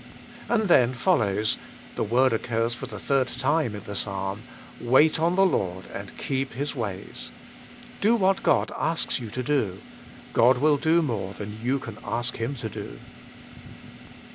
And then follows — the word occurs for the third time in the psalm —* Wait on the Lord, and keep His ways.' Do what God asks you to do ; God will do more than you can ask Him to do.